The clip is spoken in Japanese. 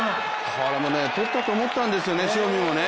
これも取ったと思ったんですよね、塩見はね。